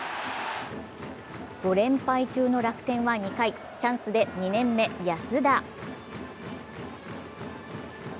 ５連敗中の楽天は２回、チャンスで２年目・安田。